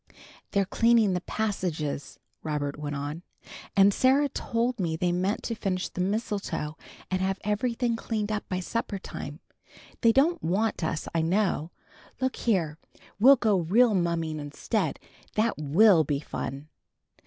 "They're cleaning the passages," Robert went on, "and Sarah told me they meant to finish the mistletoe, and have everything cleaned up by supper time. They don't want us, I know. Look here, we'll go real mumming instead. That will be fun!"